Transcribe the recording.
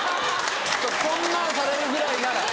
こんなんされるぐらいなら。